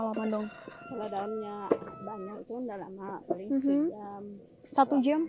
kalau banyak banyak satu jam